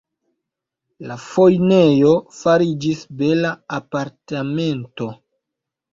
La fojnejo fariĝis bela apartamento.